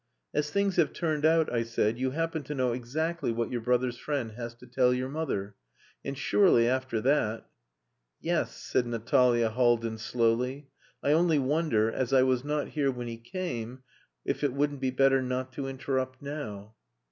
"As things have turned out," I said, "you happen to know exactly what your brother's friend has to tell your mother. And surely after that..." "Yes," said Natalia Haldin slowly. "I only wonder, as I was not here when he came, if it wouldn't be better not to interrupt now."